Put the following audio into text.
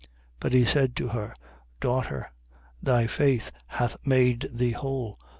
8:48. But he said to her: Daughter, thy faith hath made thee whole.